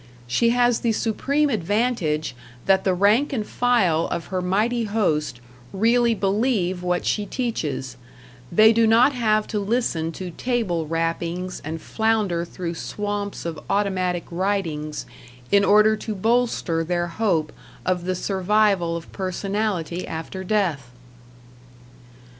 She has the supreme advantage that the rank and file of her mighty host really believe what she teaches; they do not have to listen to table rappings and flounder through swamps of automatic writings in order to bolster their hope of the survival of personality after death!